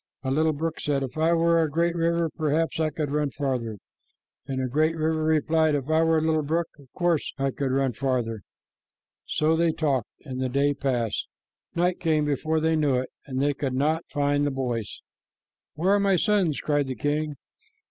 A little brook said, "If I were a great river, perhaps I could run farther," and a great river replied, "If I were a little brook, of course I could run farther." So they talked, and the day passed. Night came before they knew it, and they could not find the boys. "Where are my sons?" cried the king.